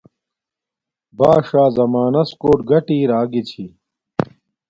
باݽا زمانس کوٹ گٹی اراگی چھی